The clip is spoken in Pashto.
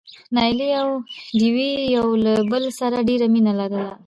نايلې او ډوېوې يو له بل سره ډېره مينه لرله.